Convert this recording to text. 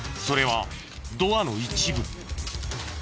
それはドアの一部。